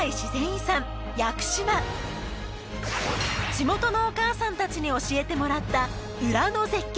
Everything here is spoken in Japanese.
地元のお母さんたちに教えてもらったウラの絶景